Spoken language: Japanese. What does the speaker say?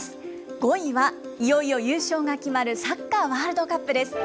５位は、いよいよ優勝が決まるサッカーワールドカップです。